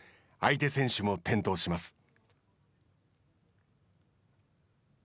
相手選手も転倒します。